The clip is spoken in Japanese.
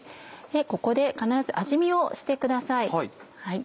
ここで必ず味見をしてください。